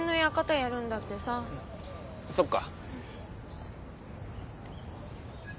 そっか。